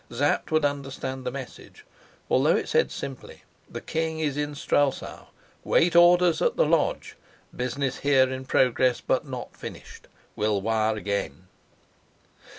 Sapt would understand the message, although it said simply, "The king is in Strelsau. Wait orders at the lodge. Business here in progress, but not finished. Will wire again."